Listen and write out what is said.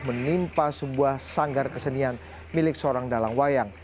menimpa sebuah sanggar kesenian milik seorang dalang wayang